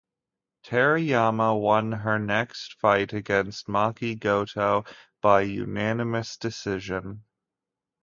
Terayama won her next fight against Maki Goto by unanimous decision.